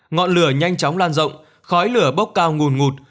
ngọn lửa nhanh chóng lan rộng khói lửa bốc cao ngùn ngụt